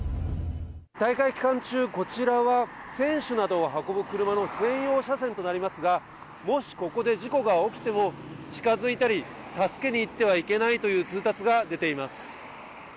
大会期間中、こちらは選手などを運ぶ車の専用車線となりますが、もしここで事故が起きても、近づいたり、助けに行ってはいけないという通達が出ています。